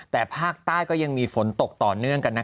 แต่ภาคใต้ก็ยังมีฝนตกต่อเนื่องกัน